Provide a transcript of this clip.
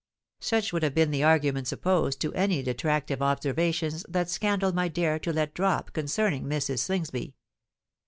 Such would have been the arguments opposed to any detractive observations that scandal might dare to let drop concerning Mrs. Slingsby.